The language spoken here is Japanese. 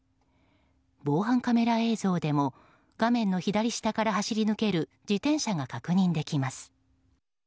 防犯カメラ映像でも画面の左下から走り抜ける自転車が確認できます。